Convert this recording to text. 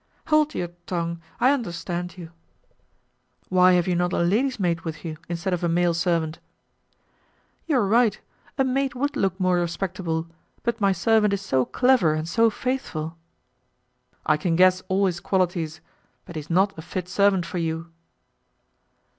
"Hold your tongue; I understand you." "Why have you not a lady's maid with you instead of a male servant?" "You are right. A maid would look more respectable, but my servant is so clever and so faithful!" "I can guess all his qualities, but he is not a fit servant for you."